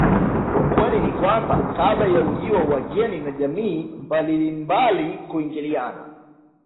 Ukweli ni kwamba kabla ya ujio wa wageni na jamii mbalilnmbali kuingiliana